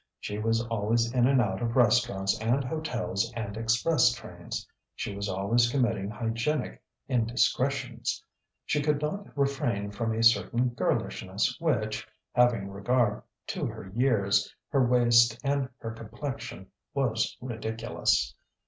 She was always in and out of restaurants and hotels and express trains. She was always committing hygienic indiscretions. She could not refrain from a certain girlishness which, having regard to her years, her waist, and her complexion, was ridiculous.